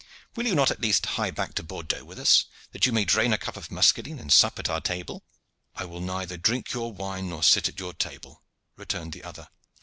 "Will you not at least hie back to Bordeaux with us, that you may drain a cup of muscadine and sup at our table?" "I will neither drink your wine nor sit at your table," returned the other.